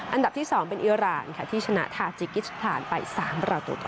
อันดับที่๒เป็นอิอาลานที่ชนะทาจิกกิจผ่านไป๓ประตูต่อ๒ค่ะ